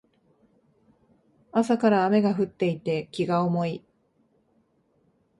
朝から雨が降っていて気が重い